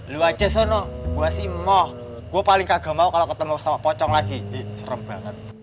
lu aja sono gue sih mau gue paling kagak mau kalau ketemu sama pocong lagi serem banget